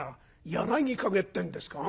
『柳陰』ってんですか？